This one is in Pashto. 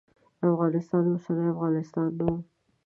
افغانستان اوسنی افغانستان نه و.